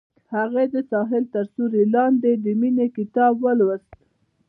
هغې د ساحل تر سیوري لاندې د مینې کتاب ولوست.